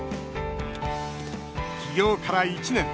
起業から１年。